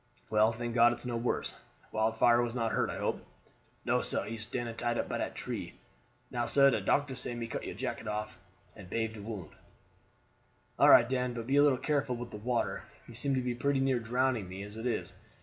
Well, thank God it's no worse. Wildfire was not hurt, I hope?" "No, sah; he is standing tied up by dat tree. Now, sah, de doctor say me cut your jacket off and bave de wound." "All right, Dan; but be a little careful with the water, you seem to be pretty near drowning me as it is.